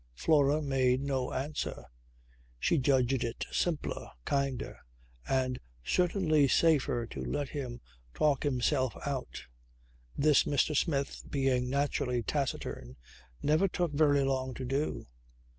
Flora made no answer. She judged it simpler, kinder and certainly safer to let him talk himself out. This, Mr. Smith, being naturally taciturn, never took very long to do.